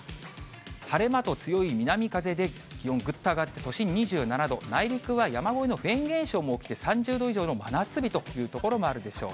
晴れ間と強い南風で気温、ぐっと上がって、都心２７度、内陸は山越えのフェーン現象も起きて、３０度以上の真夏日という所もあるでしょう。